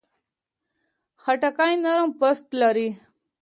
خټکی نرم پوست لري.